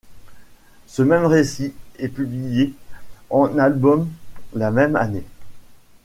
Ce même récit est publié en album la même année.